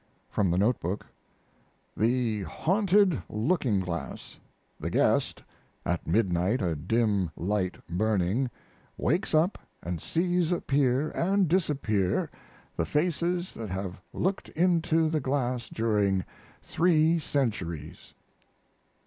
From the note book: The Haunted Looking glass. The guest (at midnight a dim light burning) wakes up & sees appear & disappear the faces that have looked into the glass during 3 centuries.